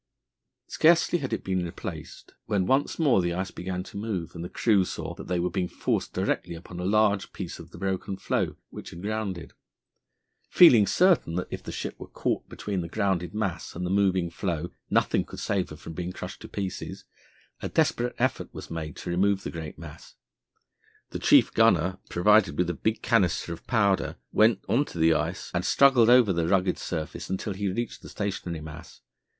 Scarcely had it been replaced when once more the ice began to move, and the crew saw that they were being forced directly upon a large piece of the broken floe which had grounded. Feeling certain that if the ship were caught between the grounded mass and the moving floe nothing could save her from being crushed to pieces, a desperate effort was made to remove the great mass. The chief gunner, provided with a big canister of powder, went on to the ice and struggled over the rugged surface until he reached the stationary mass.